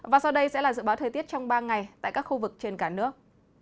và sau đây sẽ là dự báo thời tiết trong ba ngày tại các khu vực trên cả nước